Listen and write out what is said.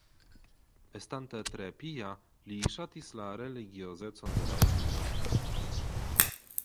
Estante tre pia li ŝatis la religiozecon de la edzino.